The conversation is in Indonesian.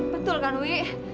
betul kan wi